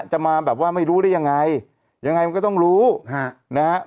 จะมาแบบว่าไม่รู้ได้ยังไงยังไงมันก็ต้องรู้ฮะนะฮะ